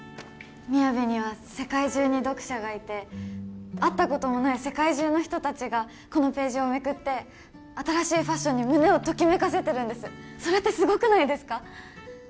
ＭＩＹＡＶＩには世界中に読者がいて会ったこともない世界中の人達がこのページをめくって新しいファッションに胸をときめかせてるんですそれってすごくないですか？